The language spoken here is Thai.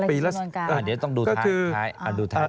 อะไรคือชนวนกลาง